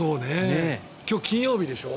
今日、金曜日でしょ